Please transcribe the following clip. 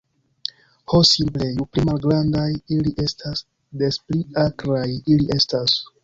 Ho simple, ju pli malgrandaj ili estas, des pli akraj ili estas.